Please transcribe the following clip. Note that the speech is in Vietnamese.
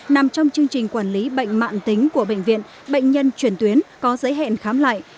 nằm trong chương trình quản lý bệnh mạng tính của bệnh viện bệnh nhân chuyển tuyến có giới hẹn khám lại